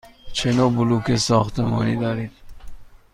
چه نوع بلوک ساختمانی دارید؟